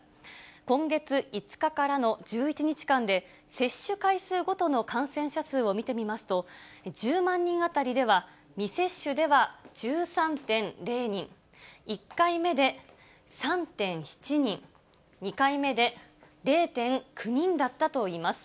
今月５日からの１１日間で、接種回数ごとの感染者数を見てみますと、１０万人当たりでは未接種では１３．０人、１回目で３．７人、２回目で０．９人だったといいます。